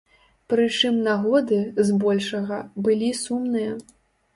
Прычым нагоды, збольшага, былі сумныя.